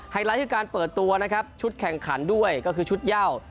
ไลท์คือการเปิดตัวนะครับชุดแข่งขันด้วยก็คือชุดย่าว